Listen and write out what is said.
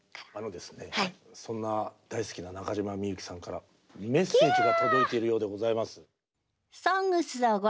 そんな大好きな中島みゆきさんからメッセージが届いているようでございます。